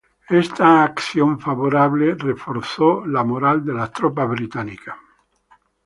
Esta acción favorable reforzó la moral de las tropas inglesas.